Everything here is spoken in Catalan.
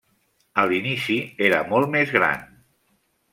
A l'inici era molt més gran.